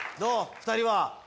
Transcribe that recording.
２人は。